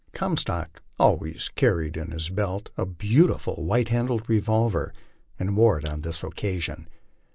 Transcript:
Comstock al ways carried in his belt a beautiful white handled revolver, and wore it on this occasion.